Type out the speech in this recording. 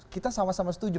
kita sama sama setuju